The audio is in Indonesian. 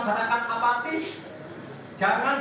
jangan bikin masyarakat digung